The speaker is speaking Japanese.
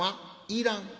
『いらん』。